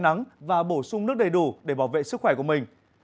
nên mang theo các vật dụng che nắng và bổ sung nước đầy đủ để bảo vệ sức khỏe của mình